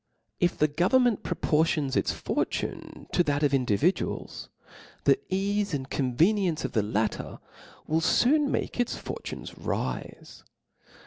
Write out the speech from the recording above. If the government propor tions its fortune to that of individuals, the eafe and conveniency of the latter will foon make its fortune rife.